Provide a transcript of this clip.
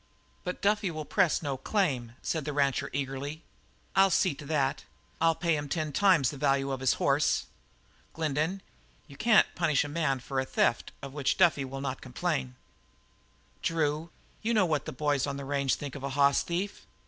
"But Duffy will press no claim," said the rancher eagerly. "I'll see to that. I'll pay him ten times the value of his horse. Glendin, you can't punish a man for a theft of which Duffy will not complain." "Drew, you know what the boys on the range think of a hoss thief.